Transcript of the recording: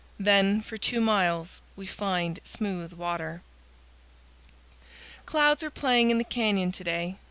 Then for two miles we find smooth water. Clouds are playing in the canyon to day.